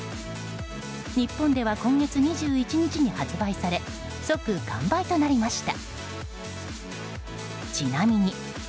日本では今月２１日に発売され即完売となりました。